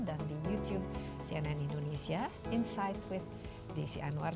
dan di youtube cnn indonesia insight with desi anwar